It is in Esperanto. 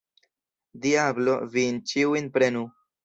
Diablo vin ĉiujn prenu!